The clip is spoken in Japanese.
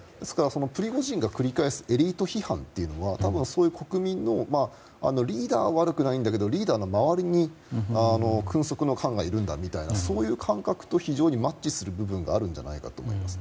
プリゴジンが繰り返すエリート批判はそういう国民のリーダーは悪くないんだけどリーダーの周りに君側の奸がいるんだというようなそういう感覚と非常にマッチする部分があるんだと思います。